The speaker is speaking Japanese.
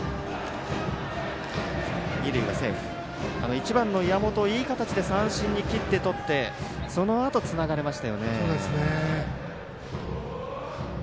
１番の岩本をいい形で三振で切ってとってそのあと、つながれましたよね。